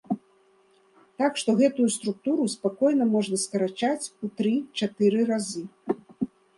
Так што гэтую структуру спакойна можна скарачаць у тры-чатыры разы.